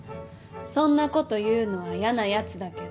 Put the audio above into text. そんな事言うのはやなやつだけど。